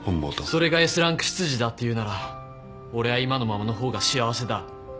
それがＳランク執事だっていうなら俺は今のままの方が幸せだ。